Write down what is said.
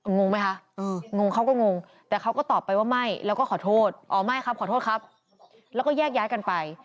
งงไหมคะงงเขาก็งงแต่เขาก็ตอบไปว่าไม่แล้วก็ขอโทษอ๋อไม่ครับขอโทษครับแล้วก็แยกย้ายกันไป